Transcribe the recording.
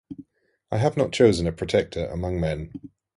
I have not chosen a protector among men.